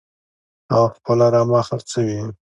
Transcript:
هغه خپله رمه خرڅوي.